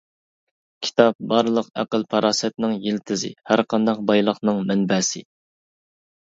كىتاب بارلىق ئەقىل-پاراسەتنىڭ يىلتىزى، ھەرقانداق بايلىقنىڭ مەنبەسى.